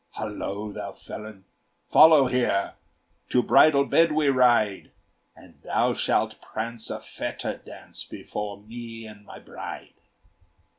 "Hollo! thou felon, follow here: To bridal bed we ride; And thou shalt prance a fetter dance Before me and my bride."